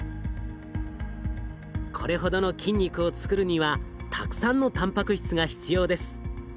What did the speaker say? これほどの筋肉を作るにはたくさんのたんぱく質が必要です。